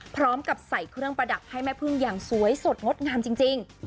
พร้อมกับใส่เครื่องประดับให้แม่พึ่งอย่างสวยสดงดงามจริง